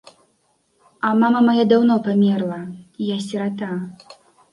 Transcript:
А мама мая даўно памерла, я сірата.